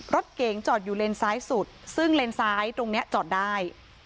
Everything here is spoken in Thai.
รถเก๋งจอดอยู่เลนซ้ายสุดซึ่งเลนซ้ายตรงนี้จอดได้